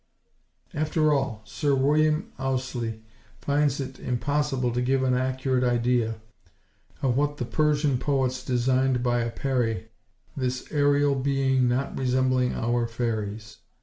After all, Sir William Ouseley finds it impossible to give an accurate idea of what the Persian poets designed by a Perie, this aërial being not resembling our fairies.